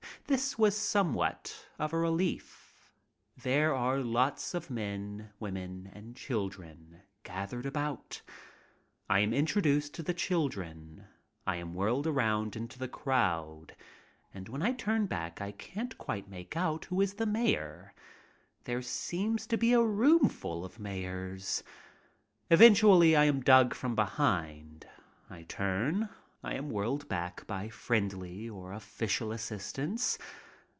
This was somewhat of a relief. There are lots of men, women, and children gathered about. I am introduced to the children. I am whirled around into the crowd, and when I turn back I can't quite make out who is the niayor. There seems to be a roomful of mayors. Eventually I am dug from behind. I turn. I am whirled back by friendly or official assistance.